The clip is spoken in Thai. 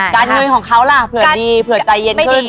การเงินของเขาล่ะเผื่อดีเผื่อใจเย็นขึ้น